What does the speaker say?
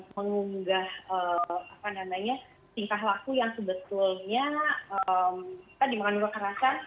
mengunggah apa namanya tingkah laku yang sebetulnya dimakan dengan kerasa